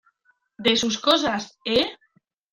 de sus cosas, ¿ eh?